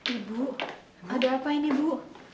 ibu ada apa ini bu